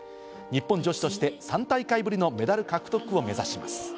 日本女子として３大会ぶりのメダル獲得を目指します。